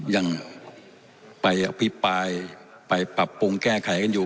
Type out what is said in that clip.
ยังไปอภิปรายไปปรับปรุงแก้ไขกันอยู่